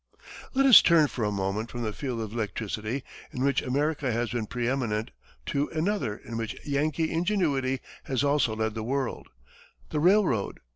Let us turn for a moment from the field of electricity, in which America has been pre eminent, to another in which Yankee ingenuity has also led the world the railroad.